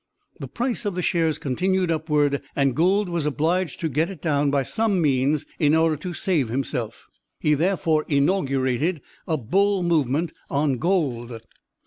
The price of the shares continued upward and Gould was obliged to get it down by some means in order to save himself. He therefore inaugurated a "bull" movement on gold.